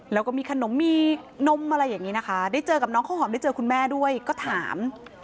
แล้วก็มีขนมมีนมอะไรอย่างนี้นะคะได้เจอกับน้องข้าวหอมได้เจอคุณแม่ด้วยก็ถาม